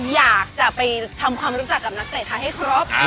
อยากจะไปทำความรู้จักกับนักเตะไทยให้ครบ